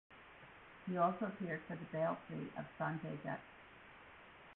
He also appeared for the bail plea of Sanjay Dutt.